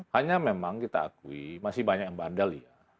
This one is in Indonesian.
hanya memang kita akui masih banyak yang bandel ya